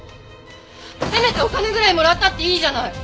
せめてお金ぐらいもらったっていいじゃない！